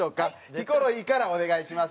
ヒコロヒーからお願いします。